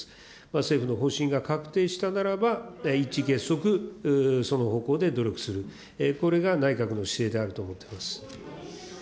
政府の方針が確定したならば、一致結束、その方向で努力する、これが内閣の姿勢であると思っています。